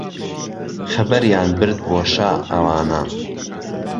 خهبەریان برد بۆ شا ئهوانه